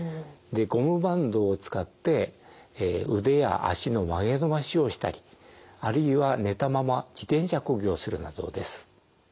ゴムバンドを使って腕や脚の曲げ伸ばしをしたりあるいは寝たまま自転車こぎをするなどです。